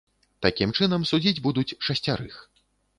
Такім чынам, судзіць будуць шасцярых.